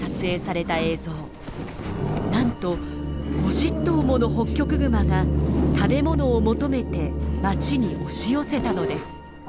なんと５０頭ものホッキョクグマが食べ物を求めて町に押し寄せたのです。